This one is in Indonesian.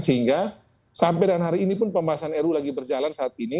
sehingga sampai dengan hari ini pun pembahasan ru lagi berjalan saat ini